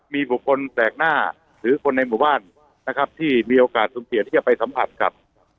มีบุคคลแปลกหน้าหรือคนในหมู่บ้านนะครับที่มีโอกาสสูญเสียที่จะไปสัมผัสกับ